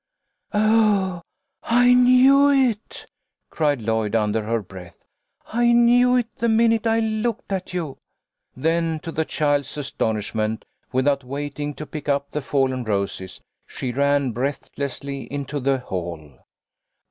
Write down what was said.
" Oh, I knew it !" cried Lloyd, under her breath. " I knew it the minute I looked at you !" Then to the child's astonishment, without waiting to pick up the fallen roses, she ran breathlessly into the hall.